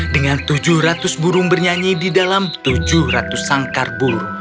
dengan tujuh ratus burung bernyanyi di dalam tujuh ratus sangkar bulu